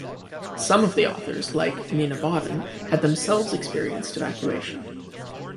Some of the authors, like Nina Bawden, had themselves experienced evacuation.